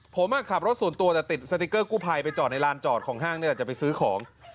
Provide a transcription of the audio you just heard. ผมค่ะขับรถส่วนตัวแล้วติดสติกเกอร์กู้ไพไปจอดในลานจอดของห้างเดียวจะไปซื้อของ